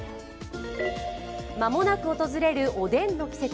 間もなく訪れる、おでんの季節。